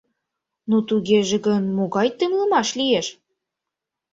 — Ну, тугеже гын, могай темлымаш лиеш?